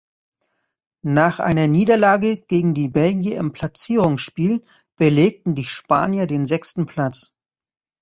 Nach einer Niederlage gegen die Belgier im Platzierungsspiel belegten die Spanier den sechsten Platz.